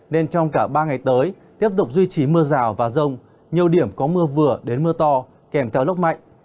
nên trong cả ba ngày tới tiếp tục duy trì mưa rào và rông nhiều điểm có mưa vừa đến mưa to kèm theo lốc mạnh